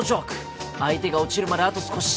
相手が落ちるまであと少し。